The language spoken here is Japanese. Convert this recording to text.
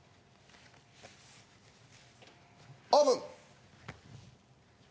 オープン！